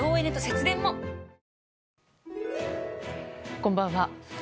こんばんは。